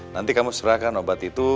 nanti kamu serahkan obat itu